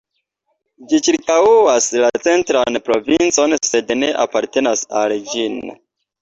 Ĝi ĉirkaŭas la Centran Provincon sed ne apartenas al ĝin.